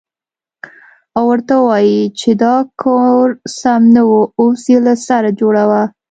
او ورته ووايې چې دا کور سم نه و اوس يې له سره جوړوه.